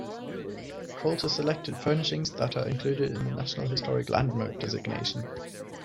Colter selected furnishings that are included in the National Historic Landmark designation.